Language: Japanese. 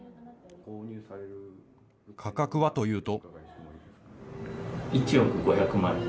価格はというと。